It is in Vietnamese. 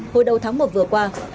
hồi đầu tháng một vừa qua